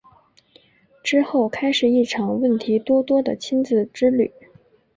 之后开始一场问题多多的亲子之旅。